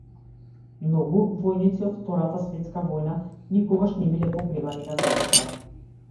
Многу војници од Втората светска војна никогаш не биле погребани на гробишта.